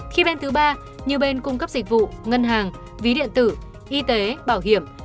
khi bên thứ ba như bên cung cấp dịch vụ ngân hàng ví điện tử y tế bảo hiểm